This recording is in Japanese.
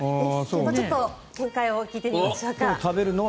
ちょっと見解を聞いてみましょうか。